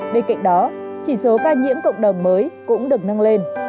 bên cạnh đó chỉ số ca nhiễm cộng đồng mới cũng được nâng lên